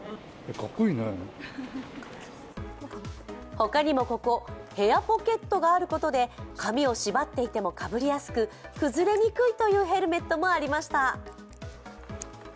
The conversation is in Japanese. ほかにも、ここ、ヘアポケットがあることで髪をしばっていてもかぶりやすく崩れにくいというヘルメットもありました。